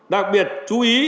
đặc biệt chú ý